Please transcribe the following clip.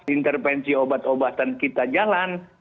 intervensi obat obatan kita jalan